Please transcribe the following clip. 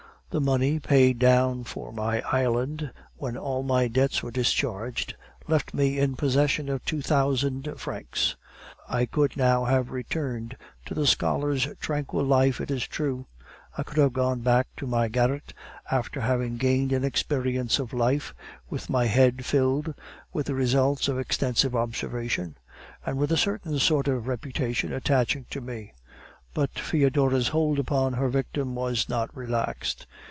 "The money paid down for my island, when all my debts were discharged, left me in possession of two thousand francs. I could now have returned to the scholar's tranquil life, it is true; I could have gone back to my garret after having gained an experience of life, with my head filled with the results of extensive observation, and with a certain sort of reputation attaching to me. But Foedora's hold upon her victim was not relaxed.